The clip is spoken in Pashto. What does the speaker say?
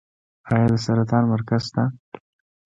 آیا د سرطان مرکز شته؟